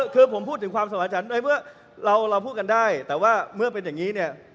คือผมพูดถึงความสมาชันในเมื่อเราพูดกันได้แต่ว่าเมื่อเป็นอย่างนี้เนี่ย